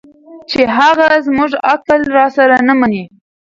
چې هغه زموږ عقل راسره نه مني